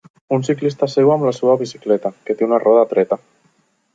Un ciclista seu amb la seva bicicleta, que té una roda treta.